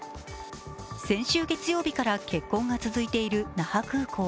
先週月曜日から欠航が続いている那覇空港。